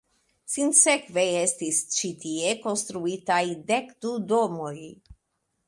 Sinsekve estis ĉi tie konstruitaj dek du domoj.